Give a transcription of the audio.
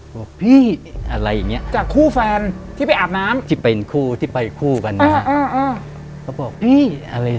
บอกพี่อะไรอย่างเนี้ย